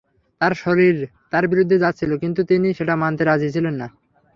তাঁর শরীর তাঁর বিরুদ্ধে যাচ্ছিল কিন্তু তিনি সেটা মানতে রাজি ছিলেন না।